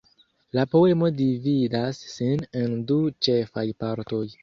La poemo dividas sin en du ĉefaj partoj.